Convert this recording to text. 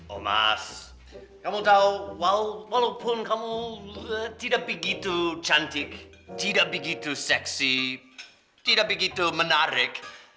oh mas kamu tahu wow walaupun kamu tidak begitu cantik tidak begitu seksi tidak begitu menarik